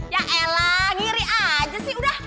ya ela ngiri aja sih udah